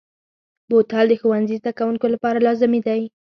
بوتل د ښوونځي زده کوونکو لپاره لازمي دی.